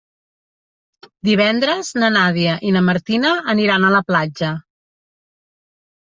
Divendres na Nàdia i na Martina aniran a la platja.